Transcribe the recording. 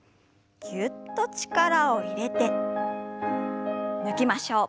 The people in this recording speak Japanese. ぎゅっと力を入れて抜きましょう。